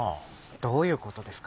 どういう事ですか？